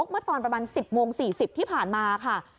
เมื่อตอนประมาณ๑๐โมง๔๐ที่ผ่านมาค่ะ